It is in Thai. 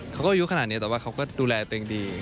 อายุขนาดนี้แต่ว่าเขาก็ดูแลตัวเองดี